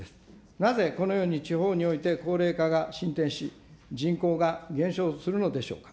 なぜこのように地方において、高齢化が伸展し、人口が減少するのでしょうか。